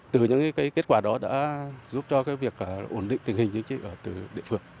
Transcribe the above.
từ những kết quả đó đã giúp cho việc ổn định tình hình chính trị ở từng địa phương